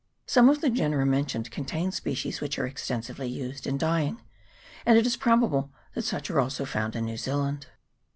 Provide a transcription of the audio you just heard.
Some of the genera mentioned contain species which are extensively used in dyeing, and it is probable that such are also found in New Zealand.